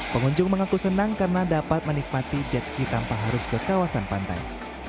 pengunjung mengaku senang karena dapat menikmati jet ski tanpa harus ke kawasan pantai